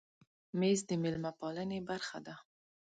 مېز د مېلمه پالنې برخه ده.